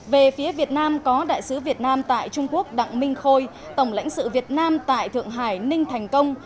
về phía việt nam có đại sứ việt nam tại trung quốc đặng minh khôi tổng lãnh sự việt nam tại thượng hải ninh thành công